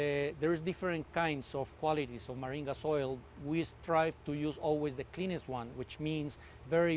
ada berbagai jenis kualitas minyak asam maring kami berusaha untuk menggunakan yang paling bersih